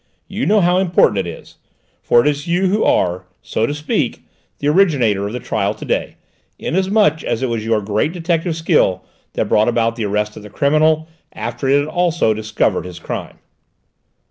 You know how important it is; for it is you who are, so to speak, the originator of the trial to day, inasmuch as it was your great detective skill that brought about the arrest of the criminal, after it had also discovered his crime."